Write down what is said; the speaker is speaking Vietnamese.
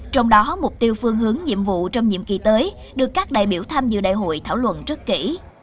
trong đó mục tiêu phương hướng nhiệm vụ trong nhiệm kỳ tới được các đại biểu tham dự đại hội thảo luận rất kỹ